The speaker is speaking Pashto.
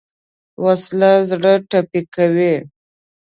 وسله زړه ټپي کوي